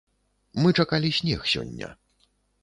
Мы чакалі снег сёння.